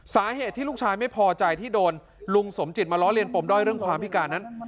สาเหตุที่ลูกชายไม่พอใจที่โดนลุงสมจิตมาล้อเลียปมด้อยเรื่องความพิการนั้น